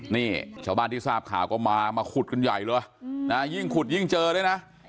นี่ชาวบ้านที่ทราบข่าวก็มามาขุดกันใหญ่เลยนะยิ่งขุดยิ่งเจอด้วยนะ